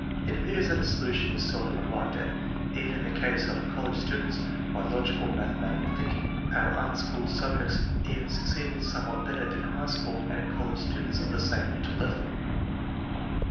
It appears that a solution is seldom arrived at, even in the case of college students, by logical mathematical thinking. Our 'Unschooled subjects even succeeded somewhat better than high school and college students of the same mental level.